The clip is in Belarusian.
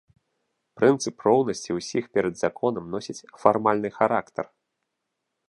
Прынцып роўнасці ўсіх перад законам носіць фармальны характар.